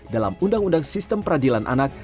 dalam undang undang sistem peradilan anak